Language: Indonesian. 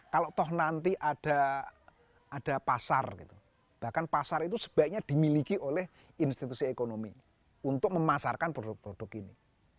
kalau toh nanti ada pasar gitu bahkan pasar itu sebaiknya dimiliki oleh institusi ekonomi untuk memasarkan produk produk ini